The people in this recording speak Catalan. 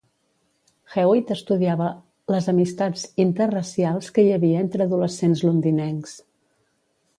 Hewitt estudiava les amistats interracials que hi havia entre adolescents londinencs.